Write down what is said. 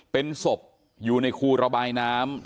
เป็นศพอยู่ในคูระบายน้ำ